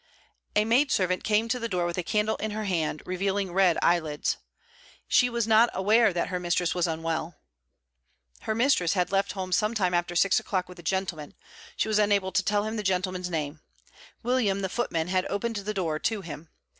A maid servant came to the door with a candle in her hand revealing red eyelids. She was not aware that her mistress was unwell. Her mistress had left home some time after six o'clock with a gentleman. She was unable to tell him the gentleman's name. William, the footman, had opened the door to him.